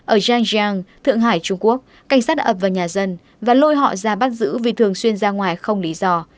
ở giang jean thượng hải trung quốc cảnh sát ập vào nhà dân và lôi họ ra bắt giữ vì thường xuyên ra ngoài không lý do